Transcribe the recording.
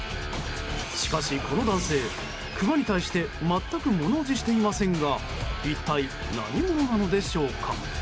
しかし、この男性クマに対して全くものおじしていませんが一体何者なんでしょうか。